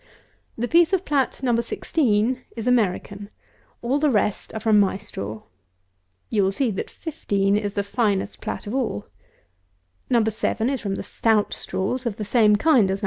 The piece of plat No. 16 is American; all the rest are from my straw. You will see, that 15 is the finest plat of all. No. 7 is from the stout straws of the same kind as No.